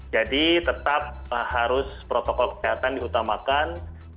jadi tetap harus protokol kesehatan diutamakan